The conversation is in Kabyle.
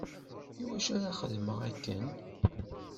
Iwacu ara xedmeɣ akken?